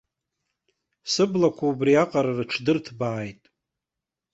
Сыблақәа убриаҟара рыҽдырҭбааит.